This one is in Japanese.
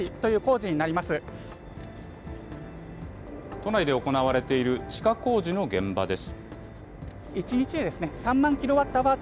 都内で行われている地下工事の現場です。